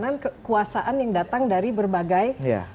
dengan kekuasaan yang datang dari berbagai